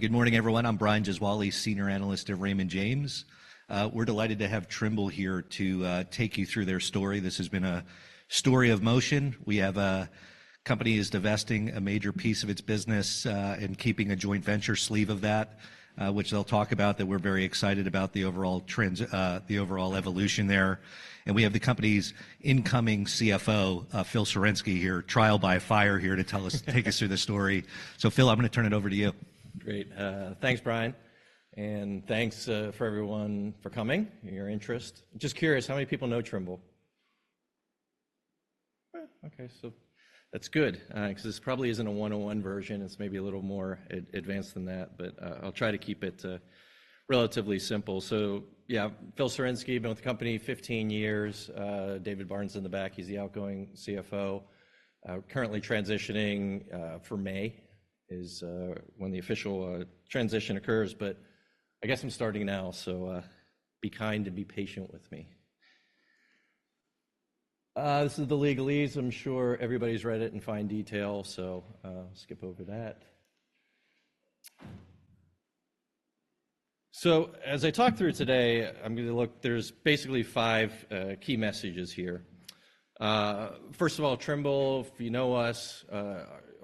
Good morning, everyone. I'm Brian Gesuale, Senior Analyst at Raymond James. We're delighted to have Trimble here to take you through their story. This has been a story of motion. We have a company that is divesting a major piece of its business and keeping a joint venture sleeve of that, which they'll talk about. We're very excited about the overall trends, the overall evolution there. We have the company's incoming CFO, Phil Sawarynski, here, trial by fire here to tell us, take us through the story. So, Phil, I'm going to turn it over to you. Great. Thanks, Brian. Thanks for everyone for coming, your interest. Just curious, how many people know Trimble? Okay, so that's good because this probably isn't a one-on-one version. It's maybe a little more advanced than that, but I'll try to keep it relatively simple. So, yeah, Phil Sawarynski, been with the company 15 years. David Barnes in the back. He's the outgoing CFO. Currently transitioning for May is when the official transition occurs, but I guess I'm starting now, so be kind and be patient with me. This is the legalese. I'm sure everybody's read it in fine detail, so skip over that. So, as I talk through today, I'm going to look, there's basically five key messages here. First of all, Trimble, if you know us,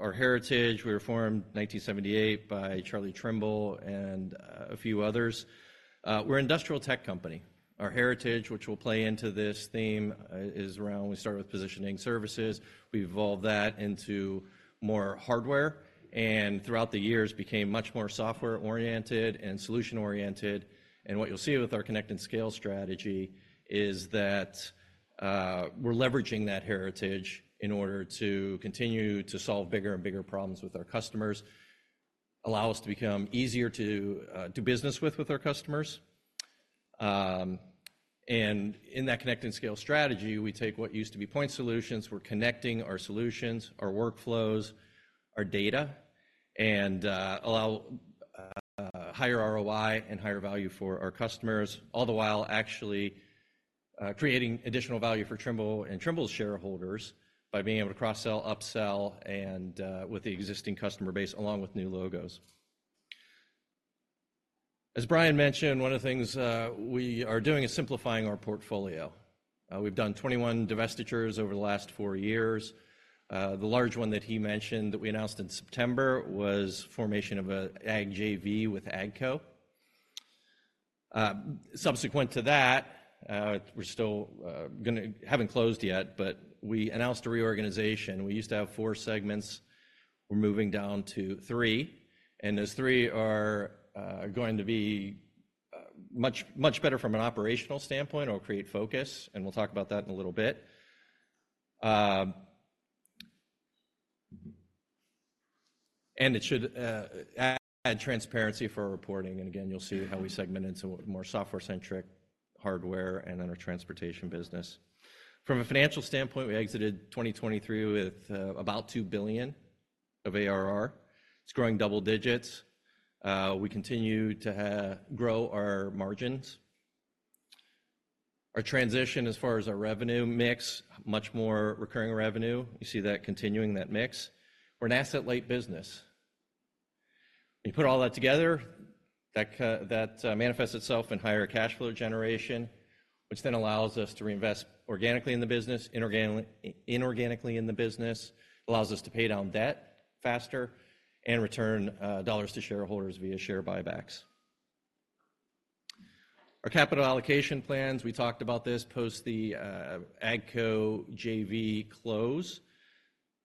our heritage, we were formed in 1978 by Charlie Trimble and a few others. We're an industrial tech company. Our heritage, which will play into this theme, is around we start with positioning services. We've evolved that into more hardware and throughout the years became much more software-oriented and solution-oriented. What you'll see with our Connect & Scale strategy is that we're leveraging that heritage in order to continue to solve bigger and bigger problems with our customers, allow us to become easier to do business with with our customers. In that Connect & Scale strategy, we take what used to be point solutions. We're connecting our solutions, our workflows, our data, and allow higher ROI and higher value for our customers, all the while actually creating additional value for Trimble and Trimble's shareholders by being able to cross-sell, upsell, and with the existing customer base along with new logos. As Brian mentioned, one of the things we are doing is simplifying our portfolio. We've done 21 divestitures over the last four years. The large one that he mentioned that we announced in September was formation of an AGCO JV with AGCO. Subsequent to that, we haven't closed yet, but we announced a reorganization. We used to have four segments. We're moving down to three. Those three are going to be much, much better from an operational standpoint. It'll create focus, and we'll talk about that in a little bit. It should add transparency for reporting. Again, you'll see how we segment into more software-centric hardware and then our transportation business. From a financial standpoint, we exited 2023 with about $2 billion of ARR. It's growing double digits. We continue to grow our margins. Our transition, as far as our revenue mix, much more recurring revenue. You see that continuing, that mix. We're an asset-light business. When you put all that together, that manifests itself in higher cash flow generation, which then allows us to reinvest organically in the business, inorganically in the business. It allows us to pay down debt faster and return dollars to shareholders via share buybacks. Our capital allocation plans, we talked about this post the AGCO JV close,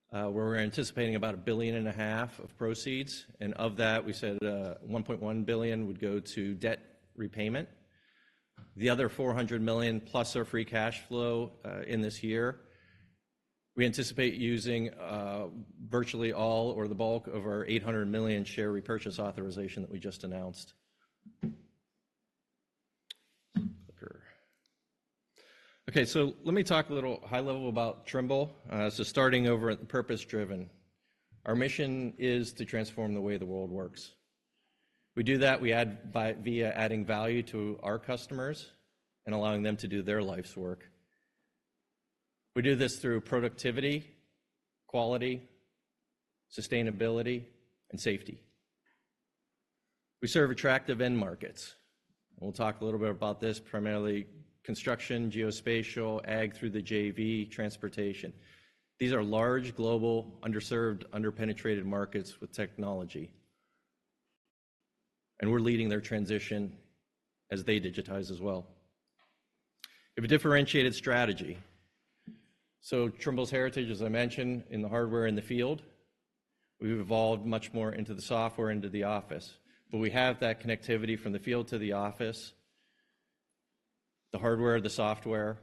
where we're anticipating about $1.5 billion of proceeds. And of that, we said $1.1 billion would go to debt repayment. The other $400 million plus our free cash flow in this year, we anticipate using virtually all or the bulk of our $800 million share repurchase authorization that we just announced. Okay, so let me talk a little high level about Trimble. So starting over at the purpose-driven, our mission is to transform the way the world works. We do that. We add by via adding value to our customers and allowing them to do their life's work. We do this through productivity, quality, sustainability, and safety. We serve attractive end markets. We'll talk a little bit about this, primarily construction, geospatial, Ag through the JV, transportation. These are large, global, underserved, underpenetrated markets with technology. We're leading their transition as they digitize as well. We have a differentiated strategy. Trimble's heritage, as I mentioned, in the hardware in the field, we've evolved much more into the software, into the office. But we have that connectivity from the field to the office, the hardware, the software.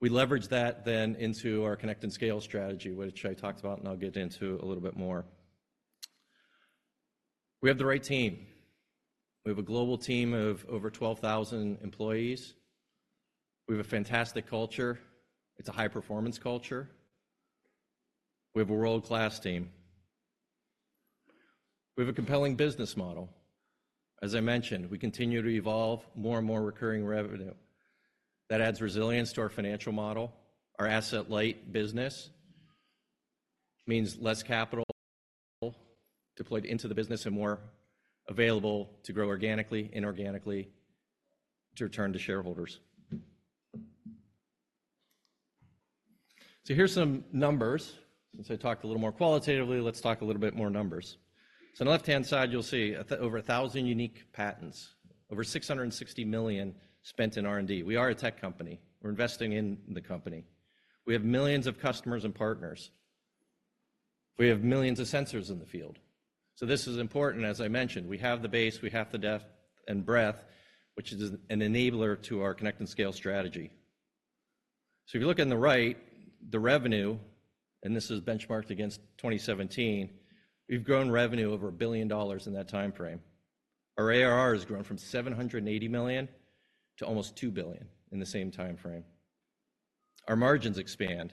We leverage that then into our Connect and Scale strategy, which I talked about, and I'll get into a little bit more. We have the right team. We have a global team of over 12,000 employees. We have a fantastic culture. It's a high-performance culture. We have a world-class team. We have a compelling business model. As I mentioned, we continue to evolve more and more recurring revenue. That adds resilience to our financial model. Our asset-light business means less capital deployed into the business and more available to grow organically, inorganically, to return to shareholders. So here's some numbers. Since I talked a little more qualitatively, let's talk a little bit more numbers. So on the left-hand side, you'll see over 1,000 unique patents, over $660 million spent in R&D. We are a tech company. We're investing in the company. We have millions of customers and partners. We have millions of sensors in the field. So this is important. As I mentioned, we have the base. We have the depth and breadth, which is an enabler to our Connect and Scale strategy. So if you look on the right, the revenue, and this is benchmarked against 2017, we've grown revenue over $1 billion in that time frame. Our ARR has grown from $780 million to almost $2 billion in the same time frame. Our margins expand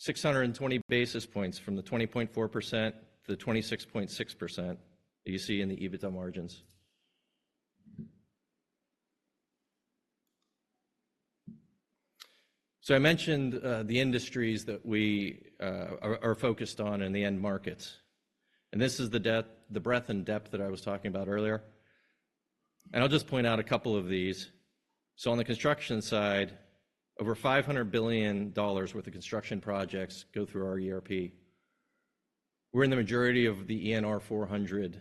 620 basis points from the 20.4% to the 26.6% that you see in the EBITDA margins. So I mentioned the industries that we are focused on and the end markets. This is the breadth and depth that I was talking about earlier. I'll just point out a couple of these. So on the construction side, over $500 billion worth of construction projects go through our ERP. We're in the majority of the ENR 400.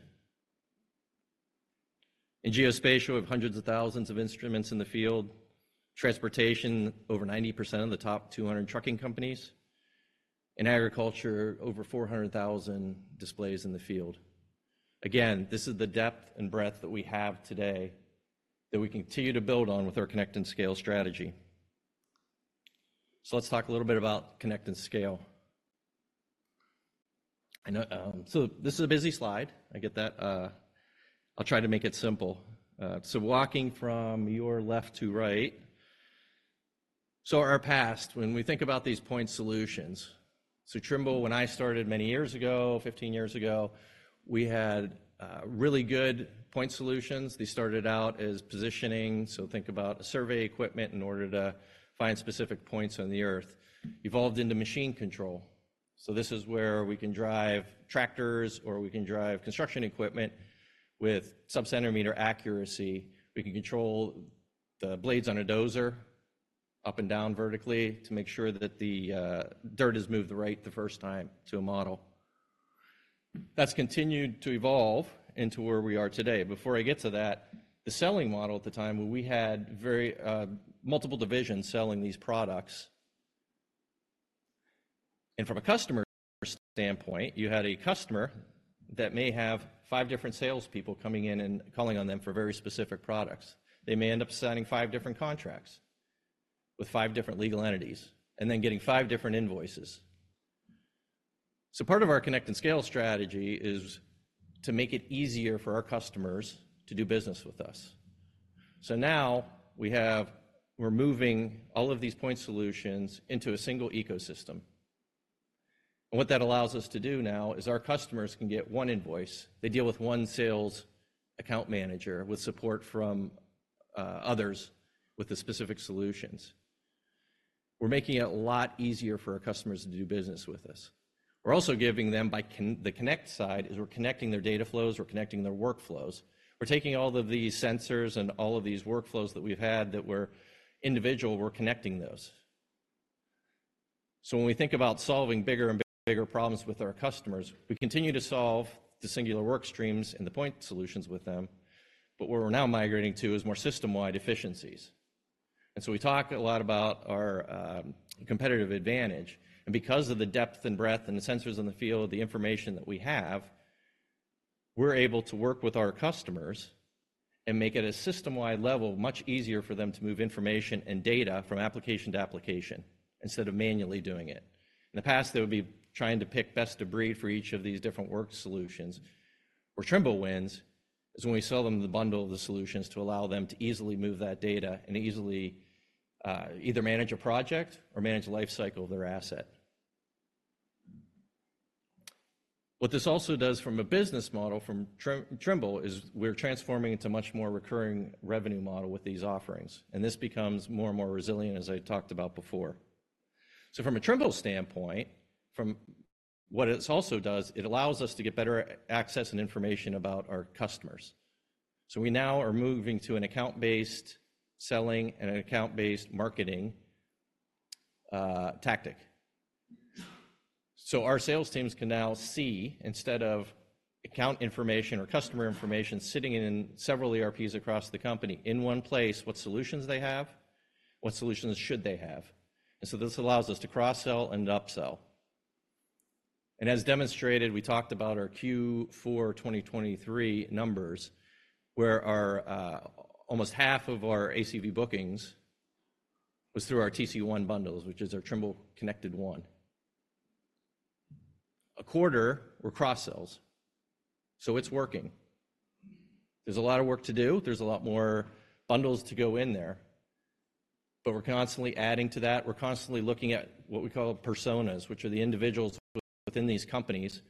In geospatial, we have hundreds of thousands of instruments in the field, transportation, over 90% of the top 200 trucking companies, and agriculture, over 400,000 displays in the field. Again, this is the depth and breadth that we have today that we continue to build on with our Connect and Scale strategy. So let's talk a little bit about Connect and Scale. So this is a busy slide. I get that. I'll try to make it simple. So walking from your left to right, so our past, when we think about these point solutions, so Trimble, when I started many years ago, 15 years ago, we had really good point solutions. They started out as positioning. So think about survey equipment in order to find specific points on the earth. Evolved into machine control. So this is where we can drive tractors or we can drive construction equipment with sub-centimeter accuracy. We can control the blades on a dozer up and down vertically to make sure that the dirt is moved right the first time to a model. That's continued to evolve into where we are today. Before I get to that, the selling model at the time, we had very multiple divisions selling these products. And from a customer standpoint, you had a customer that may have five different salespeople coming in and calling on them for very specific products. They may end up signing five different contracts with five different legal entities and then getting five different invoices. So part of our Connect & Scale strategy is to make it easier for our customers to do business with us. So now we're moving all of these point solutions into a single ecosystem. And what that allows us to do now is our customers can get one invoice. They deal with one sales account manager with support from others with the specific solutions. We're making it a lot easier for our customers to do business with us. We're also giving them by the Connect side, we're connecting their data flows. We're connecting their workflows. We're taking all of these sensors and all of these workflows that we've had that were individual. We're connecting those. So when we think about solving bigger and bigger problems with our customers, we continue to solve the singular work streams and the point solutions with them. But where we're now migrating to is more system-wide efficiencies. And so we talk a lot about our competitive advantage. And because of the depth and breadth and the sensors in the field, the information that we have, we're able to work with our customers and make it at a system-wide level much easier for them to move information and data from application to application instead of manually doing it. In the past, they would be trying to pick best of breed for each of these different work solutions. Where Trimble wins is when we sell them the bundle of the solutions to allow them to easily move that data and easily either manage a project or manage the life cycle of their asset. What this also does from a business model from Trimble is we're transforming into a much more recurring revenue model with these offerings. And this becomes more and more resilient, as I talked about before. So from a Trimble standpoint, from what it also does, it allows us to get better access and information about our customers. So we now are moving to an account-based selling and an account-based marketing tactic. So our sales teams can now see, instead of account information or customer information sitting in several ERPs across the company, in one place what solutions they have, what solutions should they have. And so this allows us to cross-sell and upsell. And as demonstrated, we talked about our Q4 2023 numbers, where almost half of our ACV bookings was through our TC1 bundles, which is our Trimble Connected One. A quarter were cross-sells. So it's working. There's a lot of work to do. There's a lot more bundles to go in there. But we're constantly adding to that. We're constantly looking at what we call personas, which are the individuals within these companies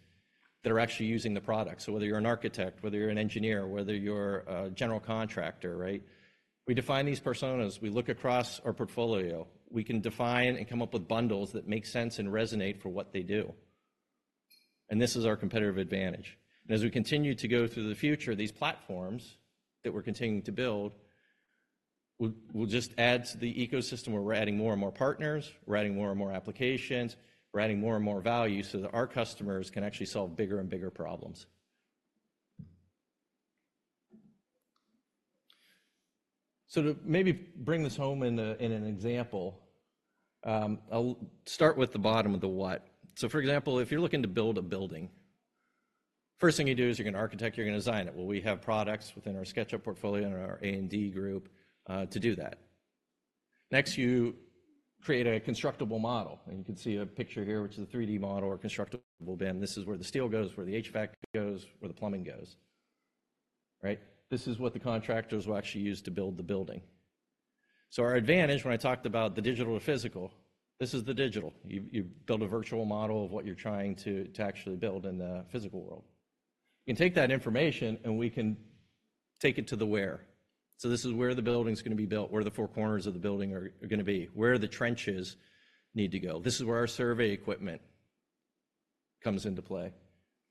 that are actually using the product. So whether you're an architect, whether you're an engineer, whether you're a general contractor, right? We define these personas. We look across our portfolio. We can define and come up with bundles that make sense and resonate for what they do. This is our competitive advantage. As we continue to go through the future, these platforms that we're continuing to build will just add to the ecosystem where we're adding more and more partners. We're adding more and more applications. We're adding more and more value so that our customers can actually solve bigger and bigger problems. To maybe bring this home in an example, I'll start with the bottom of the what. For example, if you're looking to build a building, first thing you do is you're going to architect. You're going to design it. Well, we have products within our SketchUp portfolio and our A&D group to do that. Next, you create a constructible model. And you can see a picture here, which is a 3D model or constructible BIM. This is where the steel goes, where the HVAC goes, where the plumbing goes, right? This is what the contractors will actually use to build the building. So our advantage, when I talked about the digital to physical, this is the digital. You build a virtual model of what you're trying to actually build in the physical world. You can take that information, and we can take it to the where. So this is where the building's going to be built, where the four corners of the building are going to be, where the trenches need to go. This is where our survey equipment comes into play.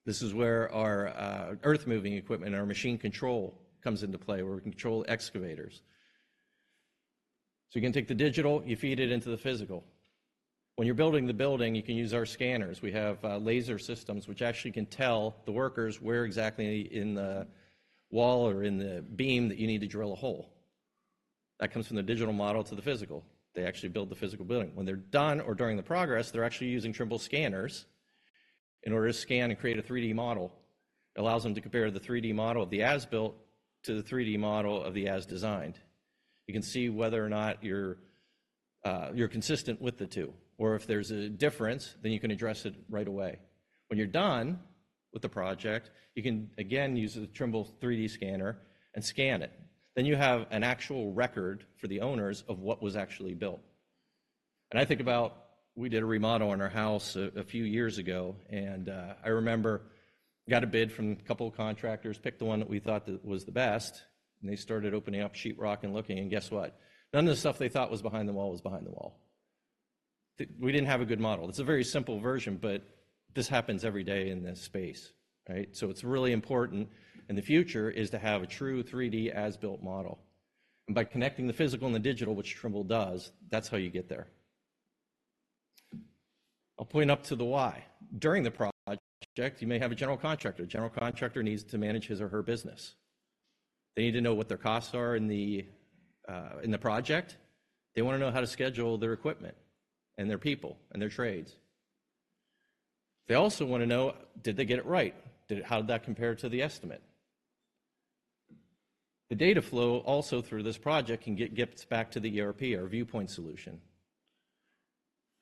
This is where our earth-moving equipment and our machine control comes into play, where we control excavators. So you can take the digital. You feed it into the physical. When you're building the building, you can use our scanners. We have laser systems, which actually can tell the workers where exactly in the wall or in the beam that you need to drill a hole. That comes from the digital model to the physical. They actually build the physical building. When they're done or during the progress, they're actually using Trimble scanners in order to scan and create a 3D model. It allows them to compare the 3D model of the as-built to the 3D model of the as-designed. You can see whether or not you're consistent with the two. Or if there's a difference, then you can address it right away. When you're done with the project, you can, again, use the Trimble 3D scanner and scan it. Then you have an actual record for the owners of what was actually built. I think about we did a remodel on our house a few years ago. I remember got a bid from a couple of contractors, picked the one that we thought was the best. They started opening up Sheetrock and looking. And guess what? None of the stuff they thought was behind the wall was behind the wall. We didn't have a good model. It's a very simple version. But this happens every day in this space, right? So it's really important in the future is to have a true 3D as-built model. And by connecting the physical and the digital, which Trimble does, that's how you get there. I'll point up to the why. During the project, you may have a general contractor. A general contractor needs to manage his or her business. They need to know what their costs are in the project. They want to know how to schedule their equipment and their people and their trades. They also want to know, did they get it right? How did that compare to the estimate? The data flow also through this project can get feeds back to the ERP, our Viewpoint solution.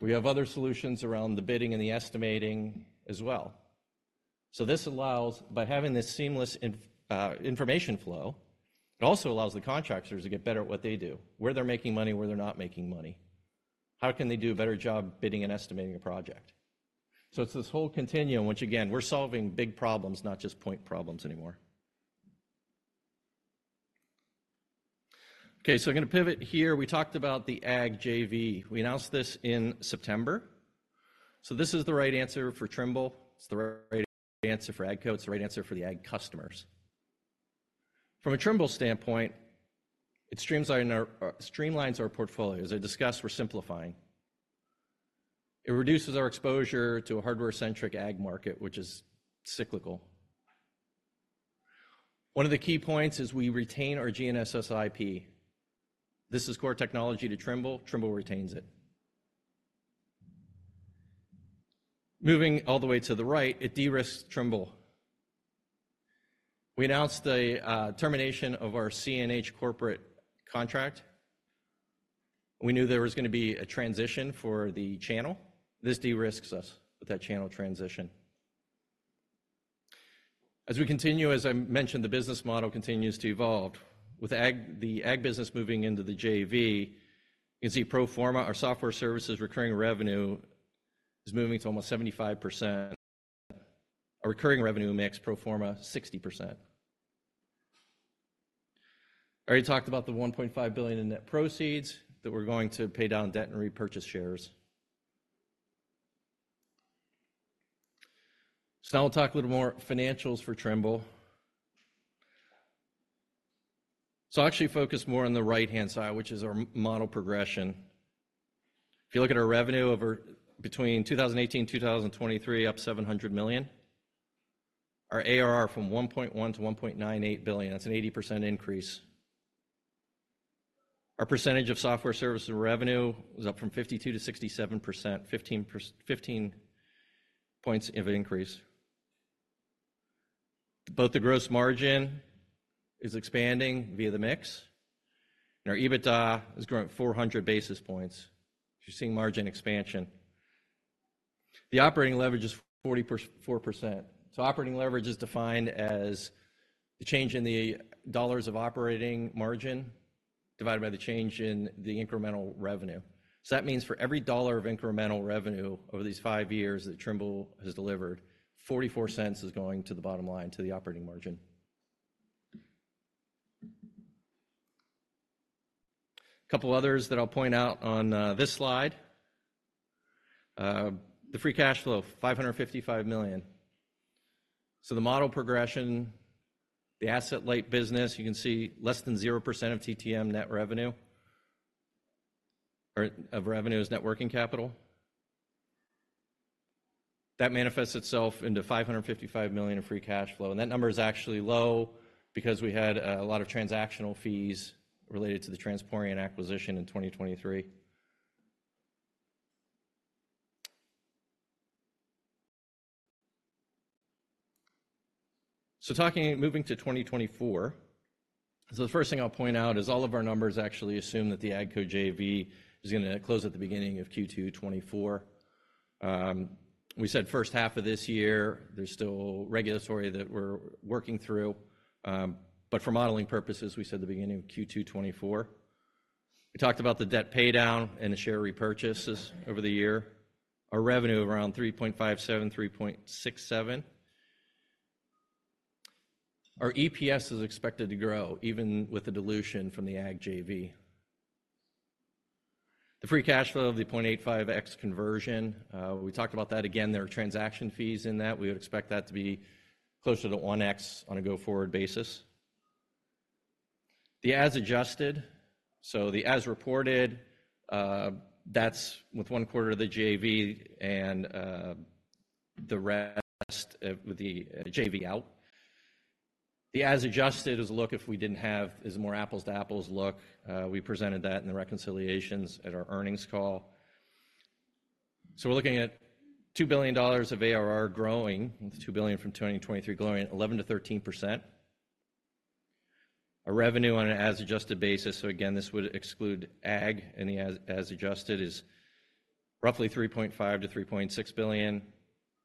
We have other solutions around the bidding and the estimating as well. So this allows, by having this seamless information flow, it also allows the contractors to get better at what they do, where they're making money, where they're not making money, how can they do a better job bidding and estimating a project. So it's this whole continuum, which, again, we're solving big problems, not just point problems anymore. OK. So I'm going to pivot here. We talked about the Ag JV. We announced this in September. So this is the right answer for Trimble. It's the right answer for AGCO. It's the right answer for the AG customers. From a Trimble standpoint, it streamlines our portfolio. As I discussed, we're simplifying. It reduces our exposure to a hardware-centric AG market, which is cyclical. One of the key points is we retain our GNSS IP. This is core technology to Trimble. Trimble retains it. Moving all the way to the right, it de-risks Trimble. We announced the termination of our CNH corporate contract. We knew there was going to be a transition for the channel. This de-risks us with that channel transition. As we continue, as I mentioned, the business model continues to evolve. With the AG business moving into the JV, you can see pro forma, our software services recurring revenue, is moving to almost 75%. Our recurring revenue makes pro forma 60%. I already talked about the $1.5 billion in net proceeds that we're going to pay down debt and repurchase shares. Now we'll talk a little more financials for Trimble. I'll actually focus more on the right-hand side, which is our model progression. If you look at our revenue between 2018 and 2023, up $700 million. Our ARR from $1.1-$1.98 billion. That's an 80% increase. Our percentage of software services revenue was up from 52%-67%, 15 points of increase. Both the gross margin is expanding via the mix. Our EBITDA is growing 400 basis points. You're seeing margin expansion. The operating leverage is 44%. Operating leverage is defined as the change in the dollars of operating margin divided by the change in the incremental revenue. So that means for every dollar of incremental revenue over these five years that Trimble has delivered, $0.44 is going to the bottom line, to the operating margin. A couple others that I'll point out on this slide, the free cash flow, $555 million. So the model progression, the asset-light business, you can see less than 0% of TTM net revenue is net working capital. That manifests itself into $555 million of free cash flow. And that number is actually low because we had a lot of transactional fees related to the Transporeon acquisition in 2023. So talking moving to 2024, so the first thing I'll point out is all of our numbers actually assume that the AGCO JV is going to close at the beginning of Q2 2024. We said first half of this year. There's still regulatory that we're working through. But for modeling purposes, we said the beginning of Q2 2024. We talked about the debt paydown and the share repurchases over the year. Our revenue around $3.57-$3.67. Our EPS is expected to grow even with the dilution from the Ag JV. The free cash flow, the 0.85x conversion, we talked about that. Again, there are transaction fees in that. We would expect that to be closer to 1x on a go-forward basis. The as-adjusted, so the as-reported, that's with one quarter of the JV and the rest with the JV out. The as-adjusted is a look if we didn't have is a more apples-to-apples look. We presented that in the reconciliations at our earnings call. So we're looking at $2 billion of ARR growing, with $2 billion from 2023 growing 11%-13%. Our revenue on an as-adjusted basis, so again, this would exclude Ag. The as-adjusted is roughly $3.5-$3.6 billion,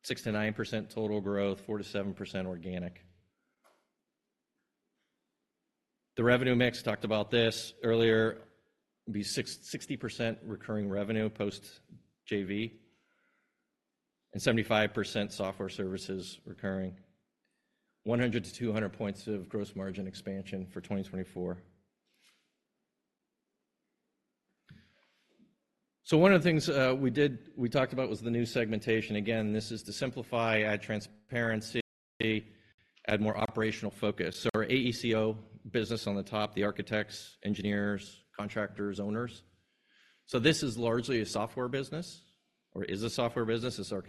6%-9% total growth, 4%-7% organic. The revenue mix, talked about this earlier, would be 60% recurring revenue post-JV and 75% software services recurring, 100-200 points of gross margin expansion for 2024. One of the things we did, we talked about, was the new segmentation. Again, this is to simplify, add transparency, add more operational focus. Our AECO business on the top, the architects, engineers, contractors, owners. This is largely a software business or is a software business. It is our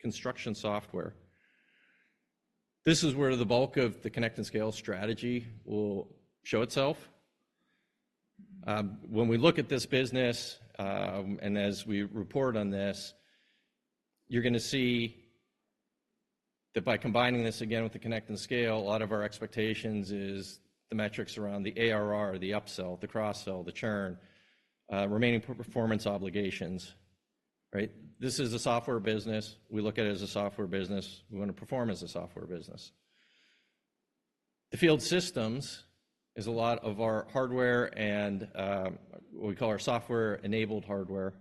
construction software. This is where the bulk of the Connect and Scale strategy will show itself. When we look at this business and as we report on this, you're going to see that by combining this, again, with the Connect & Scale, a lot of our expectations is the metrics around the ARR, the upsell, the cross-sell, the churn, remaining performance obligations, right? This is a software business. We look at it as a software business. We want to perform as a software business. The Field Systems is a lot of our hardware and what we call our software-enabled hardware.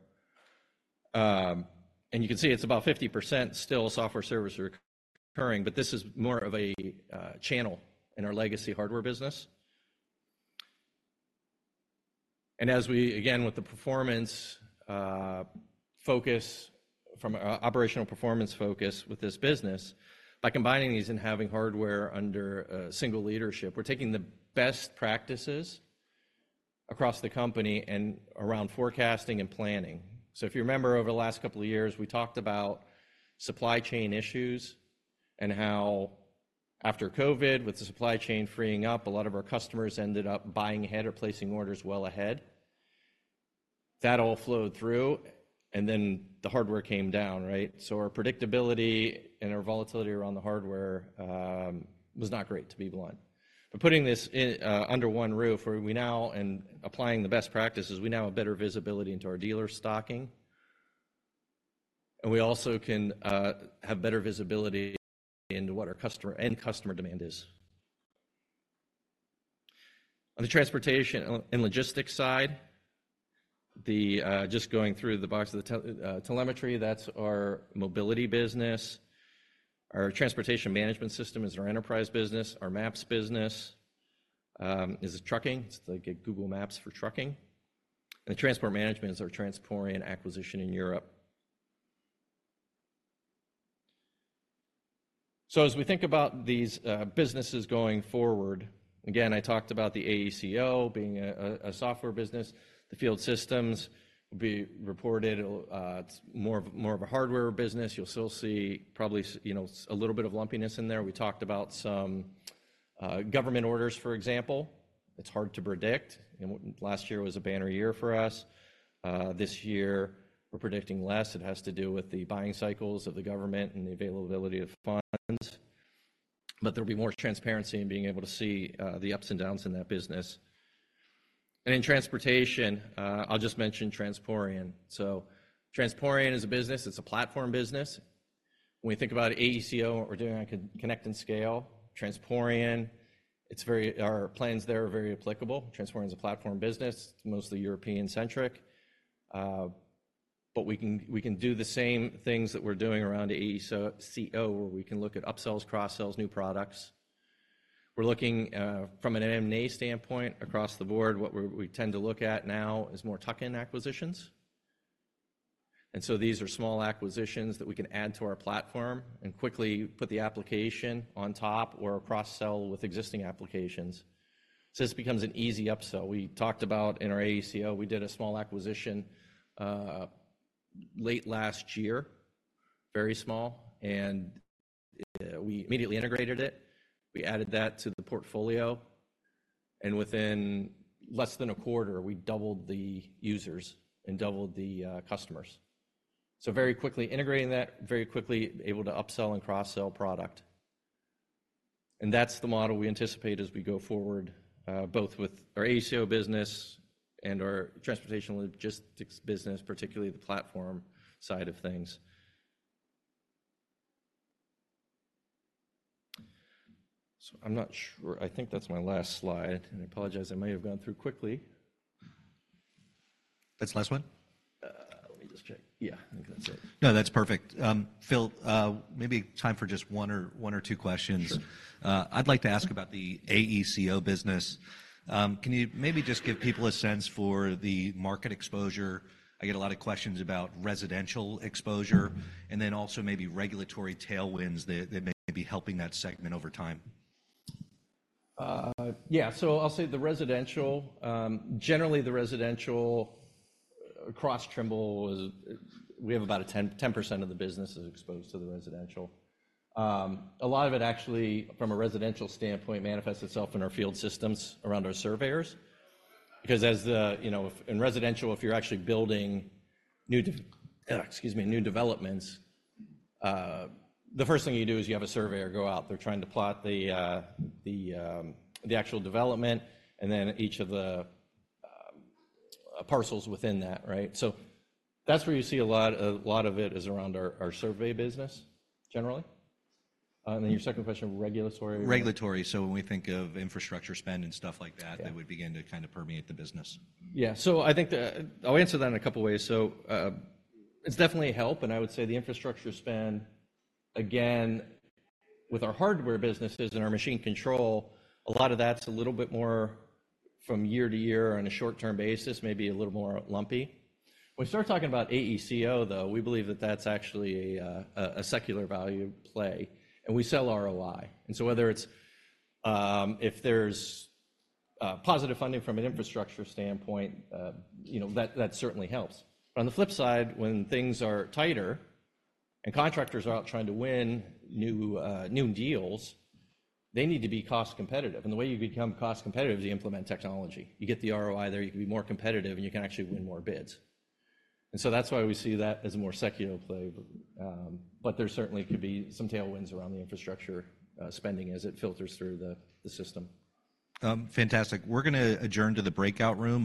And you can see it's about 50% still software services recurring. But this is more of a channel in our legacy hardware business. And as we, again, with the performance focus from our operational performance focus with this business, by combining these and having hardware under a single leadership, we're taking the best practices across the company and around forecasting and planning. So if you remember, over the last couple of years, we talked about supply chain issues and how after COVID, with the supply chain freeing up, a lot of our customers ended up buying ahead or placing orders well ahead. That all flowed through. And then the hardware came down, right? So our predictability and our volatility around the hardware was not great, to be blunt. But putting this under one roof, where we now and applying the best practices, we now have better visibility into our dealer stocking. And we also can have better visibility into what our customer end customer demand is. On the Transportation and Logistics side, just going through the box of the telemetry, that's our mobility business. Our transportation management system is our enterprise business. Our maps business is trucking. It's like a Google Maps for trucking. The transport management is our Transporeon acquisition in Europe. As we think about these businesses going forward, again, I talked about the AECO being a software business. The Field Systems will be reported. It's more of a hardware business. You'll still see probably a little bit of lumpiness in there. We talked about some government orders, for example. It's hard to predict. Last year was a banner year for us. This year, we're predicting less. It has to do with the buying cycles of the government and the availability of funds. There'll be more transparency in being able to see the ups and downs in that business. In transportation, I'll just mention Transporeon. Transporeon is a business. It's a platform business. When we think about AECO, what we're doing on Connect & Scale, Transporeon, it's very our plans there are very applicable. Transporeon is a platform business. It's mostly European-centric. But we can do the same things that we're doing around AECO, where we can look at upsells, cross-sells, new products. We're looking from an M&A standpoint across the board. What we tend to look at now is more tuck-in acquisitions. And so these are small acquisitions that we can add to our platform and quickly put the application on top or cross-sell with existing applications. So this becomes an easy upsell. We talked about in our AECO, we did a small acquisition late last year, very small. And we immediately integrated it. We added that to the portfolio. And within less than a quarter, we doubled the users and doubled the customers. So very quickly integrating that, very quickly able to upsell and cross-sell product. And that's the model we anticipate as we go forward, both with our AECO business and our transportation logistics business, particularly the platform side of things. So I'm not sure. I think that's my last slide. And I apologize. I may have gone through quickly. That's the last one? Let me just check. Yeah. I think that's it. No, that's perfect. Phil, maybe time for just one or two questions. I'd like to ask about the AECO business. Can you maybe just give people a sense for the market exposure? I get a lot of questions about residential exposure and then also maybe regulatory tailwinds that may be helping that segment over time. Yeah. So I'll say the residential, generally the residential across Trimble is we have about 10% of the business is exposed to the residential. A lot of it actually, from a residential standpoint, manifests itself in our Field Systems around our surveyors because as in residential, if you're actually building new—excuse me, new developments—the first thing you do is you have a surveyor go out. They're trying to plot the actual development and then each of the parcels within that, right? So that's where you see a lot of it is around our survey business generally. And then your second question, regulatory? Regulatory. So when we think of infrastructure spend and stuff like that, that would begin to kind of permeate the business. Yeah. So I think I'll answer that in a couple ways. So it's definitely help. And I would say the infrastructure spend, again, with our hardware businesses and our machine control, a lot of that's a little bit more from year to year on a short-term basis, maybe a little more lumpy. When we start talking about AECO, though, we believe that that's actually a secular value play. And we sell ROI. And so whether it's if there's positive funding from an infrastructure standpoint, that certainly helps. But on the flip side, when things are tighter and contractors are out trying to win new deals, they need to be cost competitive. And the way you become cost competitive is you implement technology. You get the ROI there. You can be more competitive. And you can actually win more bids. And so that's why we see that as a more secular play. But there certainly could be some tailwinds around the infrastructure spending as it filters through the system. Fantastic. We're going to adjourn to the breakout room.